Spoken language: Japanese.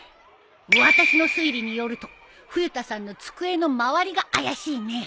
私の推理によると冬田さんの机の周りが怪しいね。